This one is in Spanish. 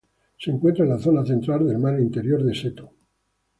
Se encuentra en la zona central del mar Interior de Seto.